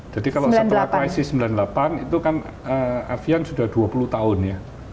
jadi kalau setelah krisis sembilan puluh delapan itu kan avian sudah dua puluh tahun ya